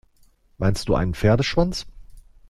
Meinst du einen Pferdeschwanz?